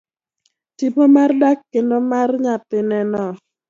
Tipo mar dak kendo mar nyathine no.